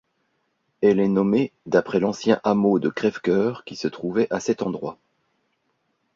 Elle est nommée d'après l'ancien hameau de Crèvecœur qui se trouvait à cet endroit.